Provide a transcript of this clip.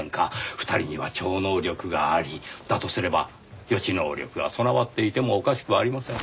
２人には超能力がありだとすれば予知能力が備わっていてもおかしくはありません。